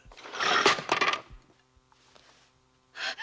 あ！？